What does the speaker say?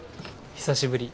久しぶり。